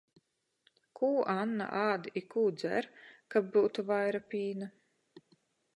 Kū Anna ād i kū dzer, kab byutu vaira pīna?